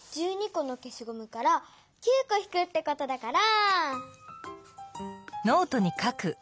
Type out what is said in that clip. このけしごむから９こひくってことだから。